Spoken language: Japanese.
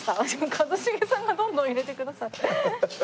一茂さんがどんどん入れてくださる。